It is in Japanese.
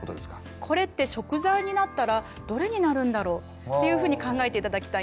これって食材になったらどれになるんだろっていうふうに考えて頂きたいんです。